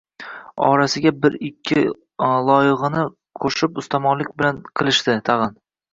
Orasiga bir-ikkita loyig‘ini qo‘shib ustamonlik ham qilishadi tag‘in.